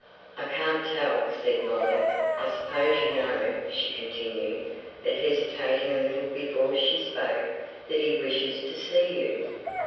"I can't tell," said Molly. "I suppose you know," she continued, but hesitating a little before she spoke, "that he wishes to see you?"